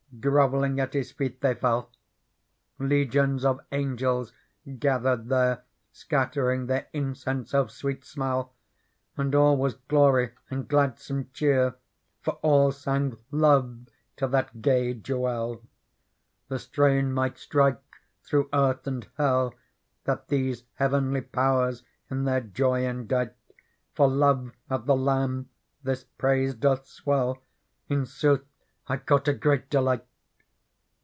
Grovelling at His feet they fell ; Legions of angels gathered there. Scattering their incense of sweet smell ; And all was glory and gladsome cheer. For all sang 1qx.s_ to that gay J ewel. The strain might strike through earth and Hell That these heavenly Powers in their joy endite ; For love of the Lamb this praise doth swell. In sooth I caught a great delight.